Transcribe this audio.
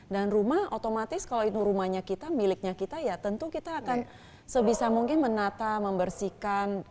dan rumah otomatis kalau itu rumahnya kita miliknya kita ya tentu kita akan sebisa mungkin menata membersihkan